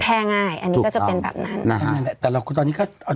แพ่ง่ายอันนี้ก็จะเป็นแบบนั้น